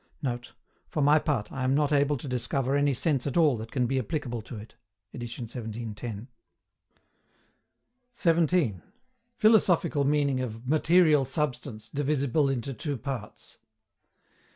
] [Note: "For my part, I am not able to discover any sense at all that can be applicable to it." Edit 1710.] 17. PHILOSOPHICAL MEANING OF "MATERIAL SUBSTANCE" DIVISIBLE INTO TWO PARTS.